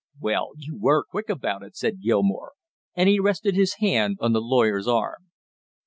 "Well, you were quick about it," said Gilmore, and he rested his hand on the lawyer's arm.